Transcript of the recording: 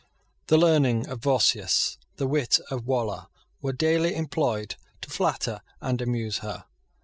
The learning of Vossius, the wit of Waller, were daily employed to flatter and amuse her.